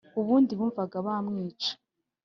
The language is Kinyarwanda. ubundi bumvaga ba mwica .